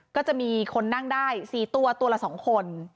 ก็จะมีคนนั่งได้๔ตัวตัวละ๒คน